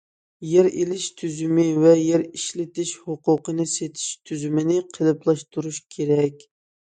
يەر ئېلىش تۈزۈمى ۋە يەر ئىشلىتىش ھوقۇقىنى سېتىش تۈزۈمىنى قېلىپلاشتۇرۇش كېرەك.